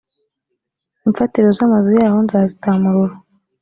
imfatiro z’amazu yaho nzazitamurura